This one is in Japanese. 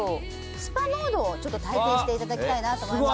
スパモードをちょっと体験していただきたいなと思います